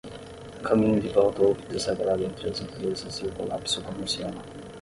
No caminho de volta houve o desagrado entre as empresas e o colapso comercial.